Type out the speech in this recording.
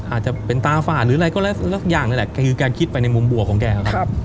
อาจจะเป็นตาฝ่าหรืออะไรก็แล้วสักอย่างนี่แหละคือแกคิดไปในมุมบวกของแกครับ